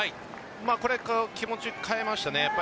これ、気持ち変えましたね。